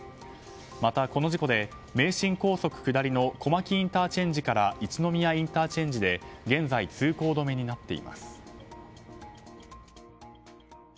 また、この事故で名神高速下りの小牧ＩＣから一宮ＩＣで現在、通行止めになっています。